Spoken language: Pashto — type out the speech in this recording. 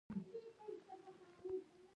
د امریکا د پوځ په لاغښتلي کولو